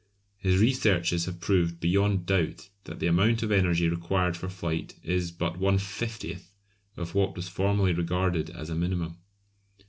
His researches have proved beyond doubt that the amount of energy required for flight is but one fiftieth of what was formerly regarded as a minimum.